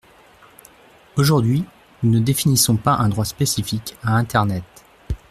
Aujourd’hui, nous ne définissons pas un droit spécifique à internet.